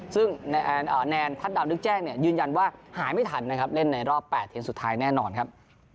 ซึ่งแนนทัศดาวนึกแจ้งเนี่ยยืนยันว่าหายไม่ทันนะครับเล่นในรอบ๘ทีมสุดท้ายแน่นอนครับ